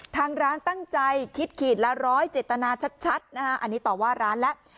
ทางร้านตั้งใจคิดขีดละร้อยเจตนาชัดนะฮะอันนี้ต่อว่าร้านแล้ว